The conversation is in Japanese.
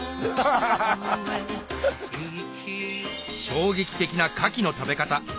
衝撃的なカキの食べ方